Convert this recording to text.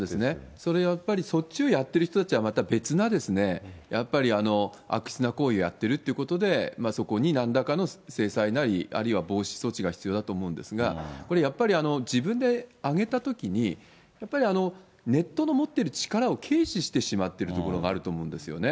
それはやっぱり、そっちをやってる人はまた別なやっぱり悪質な行為をやってるということで、そこになんらかの制裁なり、あるいは防止措置が必要だと思うんですが、これやっぱり、自分で上げたときに、やっぱりネットの持ってる力を軽視してしまっているところがあると思うんですよね。